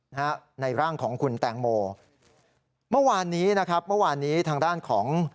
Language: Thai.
นะฮะในร่างของคุณแตงโมเมื่อวานนี้นะครับเมื่อวานนี้ทางด้านของ